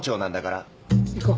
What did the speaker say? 行こう。